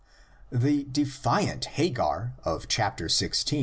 The defiant Hagar of chapter xvi.